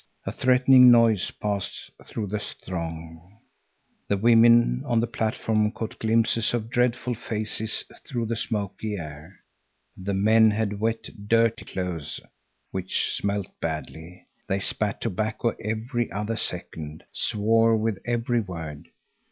A threatening noise passed through the throng. The women on the platform caught glimpses of dreadful faces through the smoky air. The men had wet, dirty clothes, which smelt badly. They spat tobacco every other second, swore with every word.